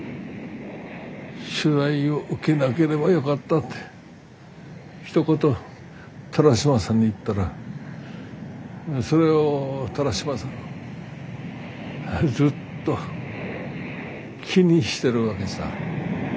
「取材を受けなければよかった」ってひと言田良島さんに言ったらそれを田良島さんずっと気にしてるわけさ。